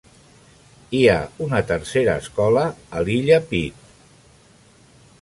Hi ha una tercera escola a l'illa Pitt.